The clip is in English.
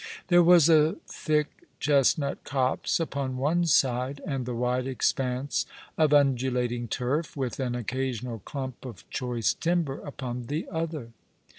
There was a thick chestnut copse npon one side, and the "wide expanse of undulating turf, with an occasional clump of choice timber, upon the other.